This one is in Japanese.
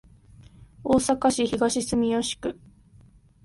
大阪市東住吉区